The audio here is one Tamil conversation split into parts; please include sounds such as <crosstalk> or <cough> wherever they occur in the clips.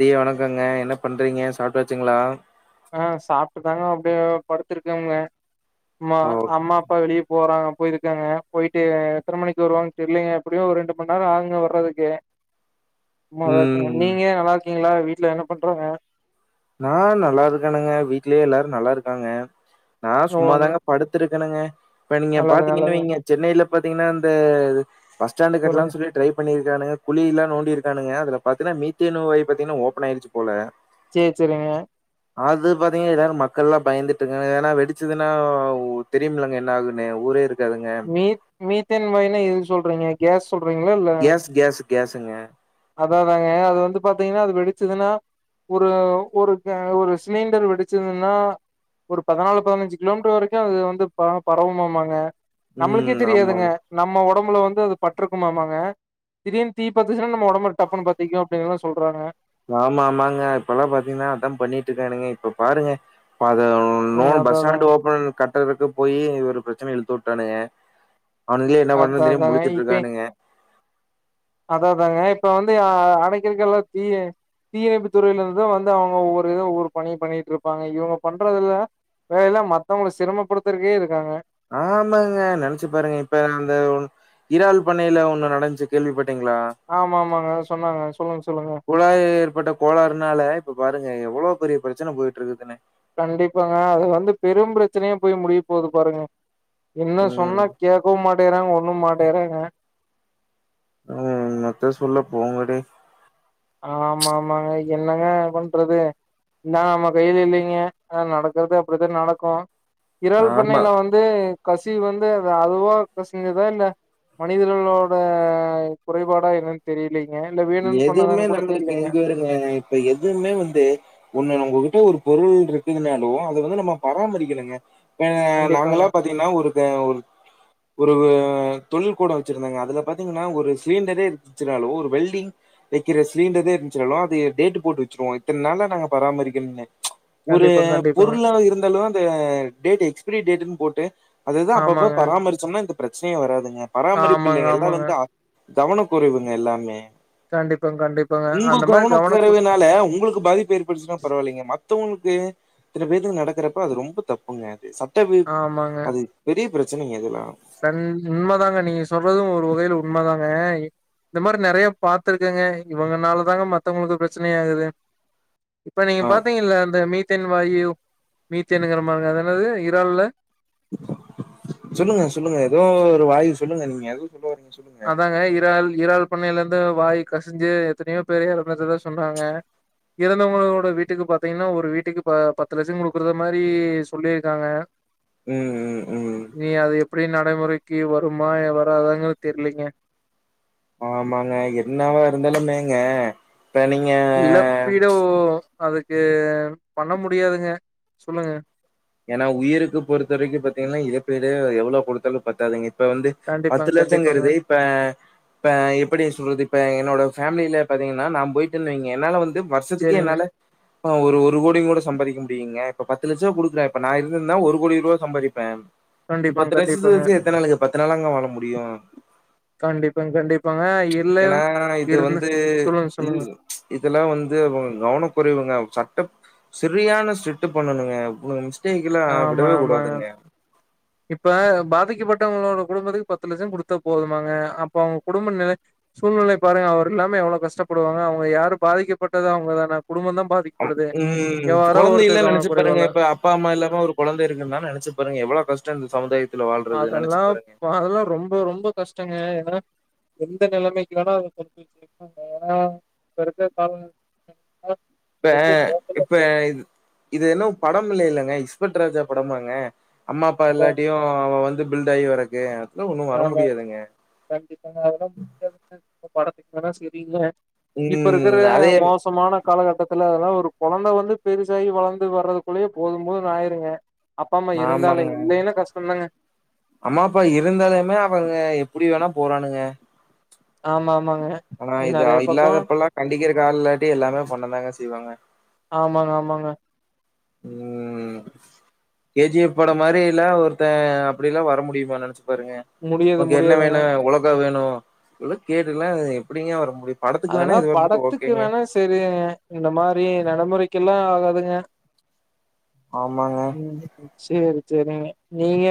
திற வணொக்கங்க என்ன பண்றீங்க சாப்டாச்சுங்ளா ஆ சாப்ட்டு தாங்க அப்டியே படுத்திருக்கேங்க ம்மா ஓ! அம்மா அப்பா வெளியே போறாங்க போயிருக்காங்க போயிட்டு எத்தன மணிக்கு வருவாங்ன் தெரிலைங்க எப்படியு ஒரு ரெண்டு மண் நேரோ ஆகுங்க வர்றதுக்கு சும்மாதா இருக்கெங்க ம். நீங்க நல்லா இருக்கீங்ளா வீட்ல என்ன பண்றாங்க ஆ நல்லா இருக்கனுங்க வீட்லியு எல்லாரு நல்லாருக்காங்க நா நல்லது சும்மாதாங்க படுத்துருக்கனுங்க இப்ப நீங்க நல்லது பாத்தீங்கன்னு நல்லதுங்க. வைங்க சென்னையில பாத்தீங்கன்னா அந்த பஸ் ஸ்டாண்டு சொல்லுங்க கட்லான் சொல்லி ட்ரை பண்ணிருக்கானுங்க குழியில்லா நோண்டி இருக்கானுங்க அதுல பாத்தீன்னா மீத்தேனு வாயு பாத்தீங்ன்னா ஓபன் ஆயிருச்சு போல சேர் சேரிங்க அது பாத்தீங்க எல்லாரும் மக்கள் எல்லாம் பயந்துட்ருக்காங்க ஏனா வெடிச்சுதுன்னா ஒ தெரியம்லங்க என்ன ஆகு ன்னு ஊரே இருக்காதுங்க மீத் மீத்தேன் வாயுனா எது சொல்றீங்க கேஸ் சொல்றீங்ளா இல்ல கேஸ் கேஸுங்க அதா அதாங்க அது வந்து பாத்தீங்கன்னா அது வெடிச்சதுன்னா ஒரு ஒருக்கே ஒரு சிலிண்டர் வெடிச்சுதுன்னா ஒரு பதினாலு பதினஞ்சு கிலோமீட்டர் வரைக்கு அது வந்து ப பரவுமாமாங்க நம்மளுக்கே ம். ஆமாம். தெரியாதுங்க நம்ம ஒடம்புல வந்து அது பட்ருக்குமாமாங்க திடீர்னு தீ பத்துச்சுன்னா நம்ம ஒடம் பு டப்புன்னு பத்தீக்கு அப்படின்னுல்லா சொல்றாங்க ஆமா ஆமாங்க இப்பல்லா பாத்தீங்ன்னா அதா பண்ணிட்ருக்கானுங்க இப்ப பாருங்க இப்பத இன்னோ ம் அதா பஸ் அதாங்க ஸ்டாண்டு ஓபன் கட்டறதுக்கு போயி ஒரு ப்ரெச்சன இழுத்து உட்டானுங்க அவனுங்ளே என்ன அதா பண்றதுன் தெரியாம அதாங்க இப்ப முழிச்சிட்டுருக்கானுங்க அதா அதாங்க இப்ப வந்து அ அடைக்கிறக்கெல்லா தீயு தீயணைப்பு துறையிலருந்து வந்து அவுங்க ஒவ்வொரு வித ஒவ்வொரு பணியுபண்ணிட்ருப்பாங்க இவங்க பண்றதுல வேல மத்தவங்கள சிரமப்படுத்தருக்கே இருக்காங்க ஆமாங்க நெனச்சு பாருங்க இப்ப அந்த ஒன் இறால் பண்ணையில ஒண்ணு நடந்ச்சு கேள்விப்பட்டீங்ளா ஆமா ஆமாங்க சொன்னாங்க சொல்லுங் சொல்லுங்க குழாய்ல ஏற்பட்ட கோளாறுனால இப்ப பாருங்க எவ்ளோ பெரிய ப்ரெச்சன போய்ட்டுருக்குதுனு கண்டிப்பாங்க அது வந்து பெரும் ப்ரெச்சனையா போய் முடிய போது பாருங்க என்ன ம் சொன்னா கேக்கவு மாட்டேங்றாங்க ஒண்ணும் மாட்டேங்றாங்க அ இன்னாத்த சொல்ல போங்கடே ஆமா ஆமாங்க என்னங்க பண்றது நாம்ம கைல இல்லூங்க ஆனா நடக்கறது அப்டிதா நடக்கு இறால் ஆமா பண்ணைல வந் து கசிவு வந்து அதுவா கசிந்திதா இல்ல மனிதர்களோட குறைபாடா என்னன்னு தெரியலீங்க இல்ல வேணுன்னு பண்ணதானு <unintelligible> எங்க பாருங்க இப்ப எதுமே வந்து ஒண்ணு உங்ககிட்ட ஒரு பொருள் இருக்குதுனாலு அத வந்து நம்ம பராமரிக்கனுங்க ஆ கண்டிப்பாங்க நாங்கல்லா பாத்தீங்கனா ஒரு கே ஒரு ஒரு தொழில் கூடோ வெச்சிருந்தாங்க அதுல பாத்தீங்கனா ஒரு சிலிண்டரே இருந்துச்சுனாலு ஒரு வெல்டிங் வெக்கிற சிலிண்டரே இருந்துச்சினாலு அதையே டேட்டு போட்டு வெச்சுருவோ இத்தனனால நாங்க பராமரிக்கரனு ஒரு கண்டிப்பா கண்டிப்பாங்க பொருளா இருந்தாலு அது டேட்டு எக்ஸ்பிரி டேட்டன்னு போட்டு அதுதா அப்பப்ப ஆமாங்க பராமரிச்சோம்னா இந்த பிரச்சனயே வராதுங்க ஆமாங்க பராமரிப்பிள்ளிங்க எல்லா ஆமாங்க வந்து அ கவனக்குறைவுங்க எல்லாமே கண்டிப்பாங் கண்டிப் உங்க கவனக்கறைவுனால உங்களுக்கு பாதிப்பு ஏர் பட்டுச்சுனா பரவால்லிங்க மத்தவங்களுக்கு இத்தன பேத்துக்கு நடக்கறப்ப அது ரொம்ப தப்புங்க அது சத் ஆமாங்க <unintelligible> அது பெரிய பிரச்சினிங்க அதுலா கண் உண்மதாங்க நீங்க சொல்றது ஒரு வகையில உண்மதாங்க இந்த மாரி நெறய பாத்துருக்கங்க இவங்கனால தாங்க மத்தவங்களுக்கு பிரச்சன ஆகுது இப்ப நீங்க பாத்தீங்கல்ல அந்த மீத்தேன் வாயு மீத்தேனுங்கிற மாரிக அதென்னது இறால்ல சொல்லுங்க சொல்லுங்க ஏதோ ஒரு வாயு சொல்லுங்க நீங்க எத சொல்ல வரிங்க சொல்லுங் அதாங்க இறால் இறால் பண்ணையில இருந்து வாயு கசிஞ்சு எத்தனயோ பேர் எறந்திட்டதா சொன்னாங்க இறந்தவங்களோட வீட்டுக்கு பாத்தீங்கனா ஒரு வீட்டுக்கு ப பத்து லட்ச குடுக்குறத மாரி சொல்லியிருக்காங்க ம் ம் ம் இனி அது எப்டி நடமுறைக்கி வருமா வராதாங்கறது தெரிலீங்க ஆமாங்க என்னாவா இருந்தாலுமேங்க இப்ப நீங்க இழப்பீடோ அதுக்கு பண்ண முடியாதுங்க சொல்லுங்க ஏன்னா உயிருக்கு பொறுத்த வரைக்கு பாத்தீங்கனா இழப்பீடே எவ்ளோ குடுத்தாலு பத்தாதீங்க இப்ப வந்து பத்து கண்டிப்பாங்க, கண்டிப்பாங்க. லட்சங்கருது இப்ப இப்ப எப்டி சொல்றது இப்ப என்னோட ஃபேமிலில பாத்தீங்கனா நா போயிட்டே வைங்க என்னால வந்து வர்ஷத்துக்கே சரிங்க. என்னால ஒரு ஒரு கோடிங் கூட சம்பாதிக்க முடியுங்க இப்ப பத்து லட்சோ குடுக்க இப்ப நா இருந்துருந்தா ஒரு கோடி ரூவா சம்பாதிப்பே கண்டிப்பாங்க, பத்து லட்சத்து கண்டிப்பாங்க. வெச்சு எத்த நாளுக்கு பத்து நாளாங்க வாழ முடியு கண்டிப்பாங் கண்டிப்பாங்க இல்ல ஏன்னா இது இருந்து வந்து சொல்லுங்க சொல்லுங்க இதெல்லா வந்து அவங்க கவனக்குறைவுங்க சட்ட செரியான ஸ்டிட்டு பண்ணணுங்க உங்க மிஸ்டேகுலா ஆமா, விடவே ஆமா. கூடாதுங்க இப்ப பாதிக்கப்பட்டவங்களோட குடும்பத்துக்கு பத்து லட்சோ குடுத்தா போதுமாங்க அப்ப அவங்க குடும்ப நெல சூழ்நிலை பாருங்க அவர் இல்லாம எவ்ளோ கஷ்டப்படுவாங்க அவங்க யாரு பாதிக்கப்பட்டது அவங்க தான குடும்பந்தா பாதி ம் கொழந்தை எல்லா நெனச்சு பாருங்க குறைவால இப்ப அப் அப்பா அம்மா இல்லாம ஒரு கொழந்த இருக்குன்னா நெனச்சு பாருங்க எவ்ளோ கஷ்டோ இந்த சமுதாயத் அதெல்லா அதெல்லா ரொம் ரொம்போ ரொம்போ கஷ்டங்க ஏன்னா எந்த நெலமைக்கு வேனா அத <inaudible> ஏன்னா இப்ப இருக்க கால இப்ப ரொம்ப மோசமா இப்ப போயிட்டு இது இன்னு படமில்லேலங்க இஸ்பட்ராஜா படமாங்க அம்மா அப்பா இல்லாட்டியு அவ வந்து பில்ட் ஆயிவறக்கு அதுலா ஒன்னு வர ஆமா முடியாதுங்க கண்டிப்பாங்க அதெல்லா முக்கிய படத்துக்கு வேனா செரிங்க இப்ப இருக்கற ம். அதே மோசமான காலகட்டத்துல அதல்லா ஒரு கொழந்த வந்து பெருசாகி வளந்து வர்றதுக்குள்ளயே போது போதுனு ஆயிருங்க அப்பா அம்மா இருந்தாலே ஆமாங்க. இல்லேன்னா கஷ்டந்தாங்க அம்மா அப்பா இருந்தாலுமே அவங்க எப்படி வேணா போறானுங்க ஆமா ஆமாங்க ஆனா இது நெறைய பக்கோ இல்லாதப்பலால்லாம் கண்டிக்கறதுக்கு ஆள் இல்லாட்டி எல்லாமே பண்ண தாங்க செய்வாங்க ஆமாங்க ஆமாங்க ம் கே ஜி எஃப் பட மாரில்லாம் ஒருத்தன் அப்டிலாம் வர முடியுமா நனைச்சு பாருங்க முடியாது ஓகே என்ன முடியாதுங்க வேணு ஒலக்கா வேணும் ஏதோ கேட்டுலாம் எப்டிங்கே வர முடியும் படத்துக்கு வேணா அதெல்லாம் இது வந்துட்டு படத்துக்கு ஓகேங்க. வேணா சரிங்க இந்த மாரி நடமுறைக்கெல்லாம் ஆகாதுங்க ஆமாங்க சரி சரி நீங்க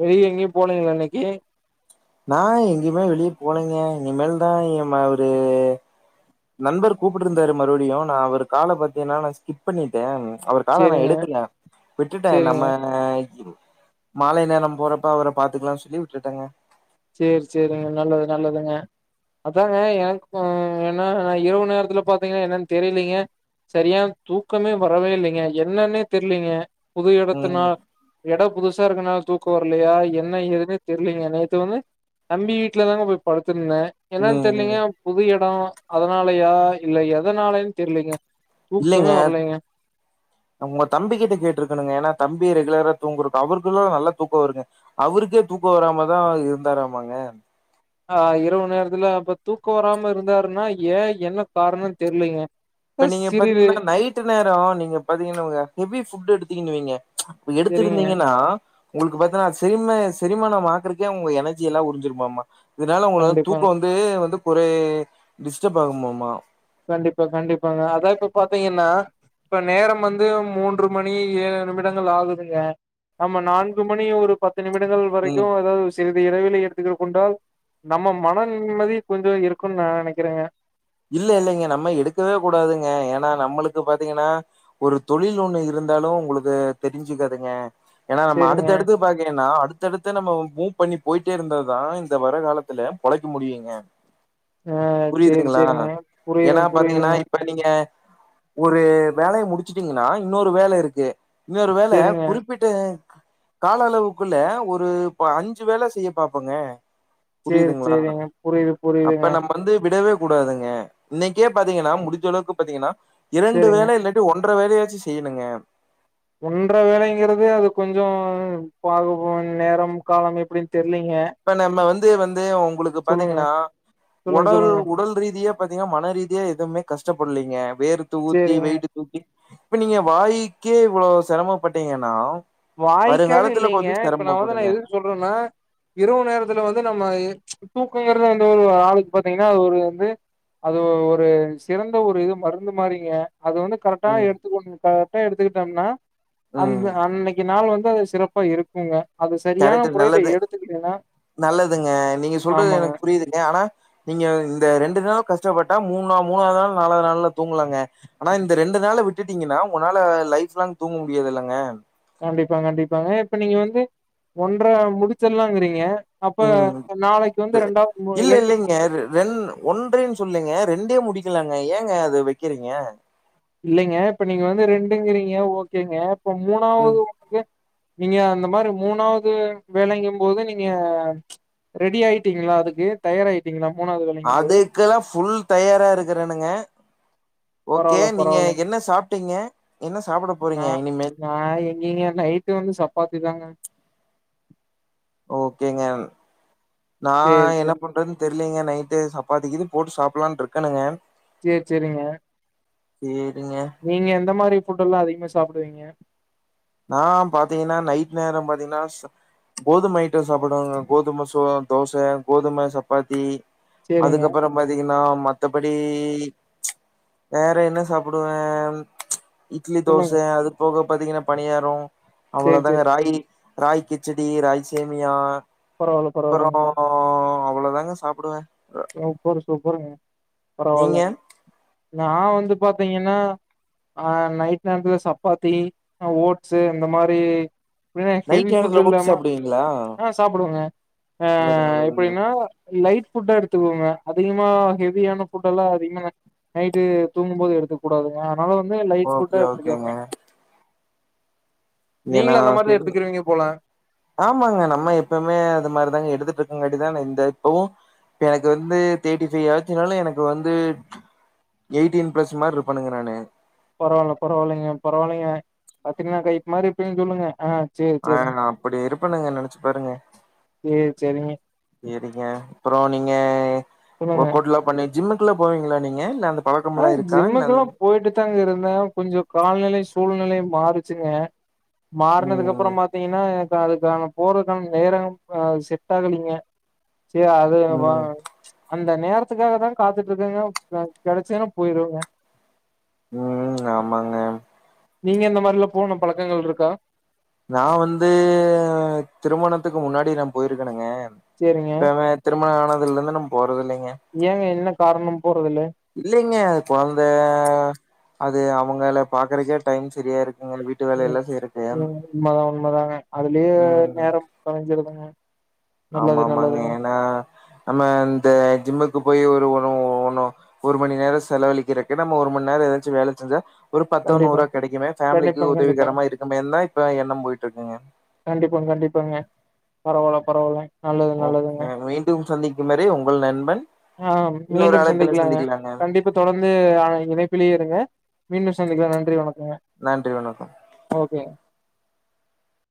வெளிய எங்கயு போலிங்களா இன்னைக்கு நா எங்கயுமே வெளியே போலேங்க இனி மேல் தா இ ம் அவரு நண்பர் கூப்ட்டுருந்தாரு மறுபடியும் நா அவர் கால பார்த்தீங்கன்னா நான் ஸ்கிப் பண்ணிட்டே அவரு கால நா சேரிங்க எடுக்கல விட்டுட்டேன் சேரிங்க நம்ம மாலை நேரம் போறப்ப அவர பாத்துக்கலாம்னு சொல்லி விட்டுட்டேங்க சேரி சேரிங்க நல்லது நல்லதுங்க அதாங்க எனக்கு என்ன இரவு நேரத்துல பார்த்தீங்கன் என்னன்னு தெரிலீங்க சரியா தூக்கமே வரவேல்லைங்க என்னன்னே தெரிலீங்க புது ம் இடத்துனால இடம் புதுசா இருக்குனால தூக்கம் வரலையா என்ன ஏதுன்னு தெரிலீங்க நேத்து வந்து தம்பி வீட்டு்ல தாங்க போய் படுத்துருந்தே என்னன்னு ம் ம் தெரிலீங்க புது இடம் அதனாலயா இல்ல எதனாலேன்னு தெரிலீங்க இல்லங்க உங்க தம்பி கிட்ட கேட்டிருக்கணுங்க ஏன்னா தம்பி ரெகுலரா தூங்கறது அவருக்கு தா நல்லா தூக்கம் வருங்க அவருக்கே தூக்கம் வராமதா இருந்தாராமங்க ஆ இரவு நேரத்துல அப்ப தூக்கம் வராம இருந்தாருன்னா ஏ என்ன காரணம் தெரிலேங்க இப்ப நீங்க பாத்தீங்கன்னா நைட் நேரம் நீங்க பாத்தீங்கன்னா உங்க ஹெவி ஃபுட் எடுத்தீங்கனு வைங்க. இப்ப சரிங்க. எடுத்திருந்தீங்கன்னா உங்களுக்கு பாத்தா செரிம செரிமானம்மாக்குறக்கே உங்க எனர்ஜி எல்லாம் உரிஞ்சிரும்மாம்மா இதனால உங்க வந்து கண்டிப்பாங்க. தூக்கம் வந்து இது வந்து ஒரே டிஸ்டப் ஆகுமம்மா கண்டிப்பா கண்டிப்பாங்க அதா இப்ப பாத்தீங்கன்னா இப்ப நேரம் வந்து மூன்று மணி ஏழு நிமிடங்கள் ஆகுதுங்க ஆமா நான்கு மணி ஒரு பத்து நிமிடங்கள் வரைக்கு ம் ஏதாது சிறிது இடவெளி எடுத்துக்கு கொண்டால் நம்ம மன நிம்மதி கொஞ்ச இருக்குன்னு நா நனைக்கறேங்க இல்ல இல்லங்க நம்ம எடுக்கவே கூடாதுங்க ஏன்னா நம்மளுக்கு பாத்தீங்கன்னா ஒரு தொழில் ஒண்ணு இருந்தாலும் உங்களுக்கு தெரிஞ்சுக்காதுங்க ஏனா நம்ம சேரிங்க அடுத்தடுத்து இருப்பாங்கென்னா அடுத்தடுத்து நம்ம மூவ் பண்ணி போயிட்டே இருந்ததுதா இந்த வர காலத்துல பொழைக்க முடியுங்க ஆ சரி புரியுதுங்களா சரிங்க புரியுது ஏன்னா பாத்தீங்கன்னா புரியுதுங்க இப்ப நீங்க ஒரு வேலயை முடிச்சுட்டீங்கன்னா இன்னொரு வேல இருக்கு இன்னொரு வேல சேரிங்க குறி ப்பிட்ட கால அளவுக்குள்ள ஒரு அஞ்சு வேல செய்ய பாப்போங்க சேரி புரிதுங்களா சேரிங்க புரியுது அப்ப புரியுதுங்க நம்ம வந்து விடவே கூடாதுங்க இன்னைக்கே பாத்தீங்கன்னா முடிஞ்சளவுக்கு பாத்தீங்கன்னா இரண்டு சேரிங்க வேலை இல்லாட் டி ஒன்ற வேலையாச்சு செய்யணுங்க ஒன்ற வேலைங்கறது அது கொஞ்சோ பாக்கும் போது நேரம் காலம் எப்படின்னு தெரியலேங்க இப்ப நம்ம வந்து வந்து உங்களுக்கு பாத்தீங்கன்னா சொல்லுங்க ஒடல் சொல்லுங்க உடல் ரீதியா பாத்தீங்கா மன ரீதியா எதுவுமே கஷ்டப்படலீங்க வேர்த்து ஊத்தி சேரிங்க வெயிட்டு தூக்கி இப்ப நீங்க வாயிக்கே இவ்வளோ சிரமப்பட்டீங்கன்னா வாய்க்காக வருங்காலத்துல இல்லைங்க கொஞ்சோ இப்ப நா சிரமப்படுங்க வந்து எதுக்கு சொல்றன்னா இரவு நேரத்துல வந்து நம்ம ச் தூக்கங்கிறது வந்து ஒரு ஆளுக்கு பாத்தீங்கன்னா அது ஒரு வந்து அது ஒரு சிறந்த ஒரு இது மருந்து மாறிங்க அது வந்து கரெக்டா ம் எடுத்துக்கோ கரெட்டா எடுத்துக்கிட்டோம்னா அந்த ம் அன்னைக் கி நாள் வந்து அது சிறப்பா இருக்குங்க அது சரியான கரக்ட்டு முறையில நல்லது எடுத்துக்கிட்டீன்னா நல்லதுங்க நீங்க சொல்றது ஆமாங்க எனக்கு புரியுது ஆனா நீங்க இந்த ரெண்டு நாள் கஷ்டப்பட்டா மூண மூணாவது நாள் நாலாவது நாள்ல தூங்கலாங்க ஆனா இந்த ரெண்டு நாள விட்டுட்டீங்கன்னா உங்கனால லைஃப் லாங் தூங்க முடியாது இல்லங்க கண்டிப்பா கண்டிப்பாங்க இப்ப நீங்க வந்து ஒன்ற முடிச்சுற்லாங்கிறீங்க அப்ப ம் நாளைக்கு வந்து ரெண்டாவது ரெண்டு யாரு ரென் ஒன்றைன்னு சொல்லேங்க ரெண்டே முடிக்கலங்க ஏங்க அது வக்கிறீங்க இல்லைங்க இப்ப நீங்க வந்து ரெண்டுங்கிறீங்க ஓகேங்க இப்ப ம் மூணாவது <unintelligible> நீங்க அந்த மாரி மூணாவது வேலைங்க போது நீங்க ச் ரெடி ஆயிட்டீங்களா அதுக்கு தயாராயிட்டீங்களா மூணாவது வேலைங்கு போது க்கலா ஃபுல் தயாரா இருக்கிறேணுங்க ஓகே பரவால்ல நீங்க பரவால்லங்க என்ன சாப்ட்டீங்க என்ன சாப்ட போறீங்க இனிமேல் ஆ எங்கேங்க நைட்டு வந்து சப்பாத்தி தாங்க ஓகேங்க நா சேரி என்ன சேரி பண்றதுன் தெர்லேங்க நைட்டு சப்பாத்தி கீத்தி போட்டு சாப்பிடலான்டு இருக்கேணுங்க சேர் செரிங்க சேரிங்க நீங்க எந்த மாரி ஃபுட் எல்லா அதிகமா சாப்பிடுவீங்க நா பாத்தீங்கன்னா நைட் நேரோ பாத்தீங்கன்னா சா கோதும ஐட்டோ சாப்பிடுவாங்க கோதும சோ தோச கோதும சப்பாத்தி சேரிங்க அதுக்கப்பறம் பாத்தீங்கன்னா மத்தபடி வேற என்ன சாப்பிடுவே இட்லி தோச சொல்லுங்க அது போக பாத்தீங்கன்னா பணியாரோ சேரி அவ்ளதாங்க சேரி ராகி ராகி கிச்சடி ராகி சேமியா பரவால்ல அப்றோ பரவால்லங்க அவ்ளதாங்க சாப்டுவ சூப்பர் சூப்பர்ங்க நீங்க பரவாலைங்க நா வந்து பாத்தீங்கன்னா ஆ நைட் நேரத்தில சப்பாத்தி அ ஓட்ஸ்ஸு அந்த மாரி எப்டின்னா ஹெவி நைட் ஃபுட் நேரத்துல போட்டு இல்லாம சாப்புடுவீங்களா ஆ சாப்பிடுவேங்க ஆ நல்லது நல்லதுங்க எப்டின்னா லைட் ஃபுட் அ எடு த்துக்கோங்க அதிகமா ஹெவியான ஃபுட் எல்லா அதிகமா நைட்டு தூங்கும்போது எடுத்துக்க கூடாதுங்க னால வந்து லைட் ஃபுட்டா ஓகே ஓகேங்க எடுத்துக்கோங்க ஏன்னா நீங்களு அந்த மாரி செரி எடுத்துக்கிறுவீங்க போல ஆமாங்க நம்ம எப்பமே அது மாரிதாங்க எடுத்துட்டு இருக்கங்காட்டிதான இந்த இப்பவு இப்ப எனக்கு வந்து தேர்ட்டி ஃபைவ் ஆச்சுனாலு எனக்கு வந்து எயிட்டீன் பிளஸ் மாரி இருப்பேனுங்க நானு பரவாயில்ல பரவாயில்லைங்க பரவாயில்லைங்க கத்தினா கைஃப் மாரி இப்பயு சொல்லுங்க ஆ சேரி ஆ சேரிங்க நா அப்டி இருப்பேனுங்க நெனச்சு பாருங்க சேரி சேரிங்க சேரிங்க அப்றோ நீங்க சொல்லுங்க ஒர்க் அவுட் எல்லா பண்ணி ஜிம்முக்கு எல்லா போவீங்ளா நீங்க இல்ல அந்த ஆ பழக்கம்லா இருக்கா இல்ல ஜிம்முக்கெல்லா அந்த- போயிட்டு தாங்க இருந்தே கொஞ்சோ கால்நிலை சூழ்நிலையு மாறுச்சுங்க மார்னதுக்கு ம் அப்றோ பாத்தீங்கன்னா எனக்கு அதுக்கான போறக்கான நேரம் செட் ஆகலிங்க சேர் அது ம் அந்த நேரத்துக்காக தா காத்துட்டு இருக்கங்க கெடச்சின்னா போயிருவேங்க ம் ஆமாங்க நீங்க இந்த மார்லா போன பழக்கங்கள் இருக்கா நா வந்து திருமணத்துக்கு முன்னாடி நா போயிருக்கனுங்க சேரிங்க இப்ப திருமண ஆனதுல இருந்து நாம் போறது இல்லைங்க ஏங்க என்ன காரணம் போறதுல இல்லங்க கொழந்த அது அவுங்கள பாக்குறக்கே டைம் சரியா இருக்குங்க வீட் ம் ம் உண்மதா உண்மதாங்க அதுலே ம் நேரம் தொலஞ்சிருதுங்க ஆமா ஆமாங்க ஏன்னா நம்ம இந்த ஜிம்முக்கு போய் ஒரு ஒன ஒன்னோ ஒரு மணி நேரோ செலவழிக்கறக்கு நம்ம ஒரு மண்நேரோ ஏதாச்சு வேல செஞ்சா ஒரு பத்தோ கண்டிப்பா நூரோ கெடைக்குமே ஃபேமிலிக்கு கண்டிப்பாங்க கண்டிப்பாங்க உதவிகரமா இருக்குமே தா இப்ப எண்ணம் போயிட்டு இருக்குங்க கண்டிப்பா கண்டிப்பாங்க பரவால பரவால ஓகே மீண்டும் சந்திக்கும் வரை உங்கள் நண்பன் ஆ இன்னொரு மீண்டும் அழைப்பில சந்திக்லாங்க சந்திக்கலாங்க கண்டிப்பா தொடர்ந்து ஆ இணைப்பிலே இருங்க மீண்டும் சந்திக்லா நன்றி வணக்கங்க நன்றி வணக்கம் ஓகே